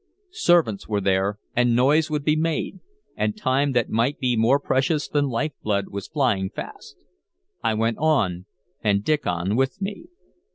Servants were there, and noise would be made, and time that might be more precious than life blood was flying fast. I went on, and Diccon with me.